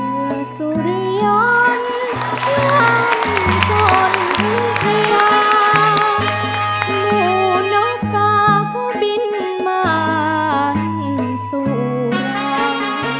มือสุริยนที่หวั่งสนที่พระยาหมู่นกาก็บินมาที่สุริยน